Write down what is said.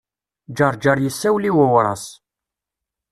Ǧeṛǧeṛ yessawel i Wawras.